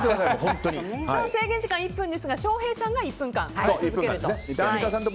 制限時間１分ですが翔平さんが１分間打ち続けると。